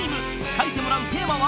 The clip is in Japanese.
［書いてもらうテーマは］